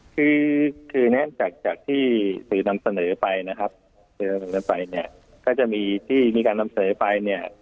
คือแน่นจากที่สื่อนำเสนอไปนะครับก็จะมีที่มีการนำเสนอไปเนี่ย